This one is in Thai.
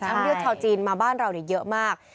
ท่องเที่ยวชาวจีนมาบ้านเราเยอะมาก